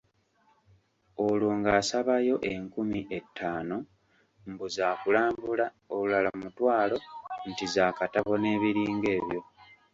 Olwo ng'asabayo enkumi ettaano, mbu zakulambula, olulala mutwalo, nti za katabo n'ebiringa ebyo.